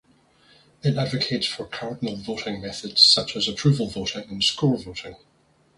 It advocates for cardinal voting methods such as approval voting and score voting.